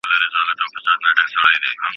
شریف د معاش لپاره په دفتر کې انتظار کاوه.